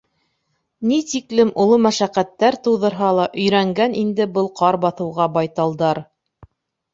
Ни тиклем оло мәшәҡәттәр тыуҙырһа ла, өйрәнгән инде был ҡар баҫыуға байталдар.